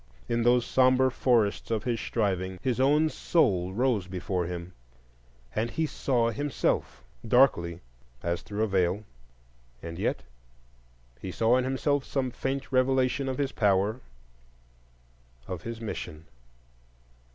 In those sombre forests of his striving his own soul rose before him, and he saw himself,—darkly as through a veil; and yet he saw in himself some faint revelation of his power, of his mission.